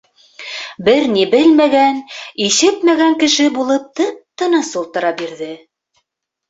Бер ни белмәгән, ишетмәгән кеше булып тып-тыныс ултыра бирҙе.